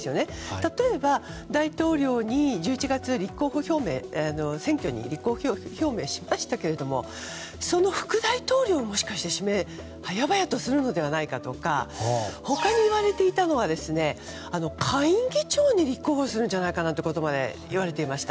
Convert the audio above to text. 例えば、大統領に１１月、選挙に立候補表明しましたけれどもその副大統領を、もしかしたら指名、早々とするのではないかともいわれていたんですが他に言われていたのは下院議長に立候補するんじゃないかともいわれていました。